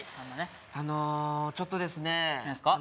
あのちょっとですね何ですか？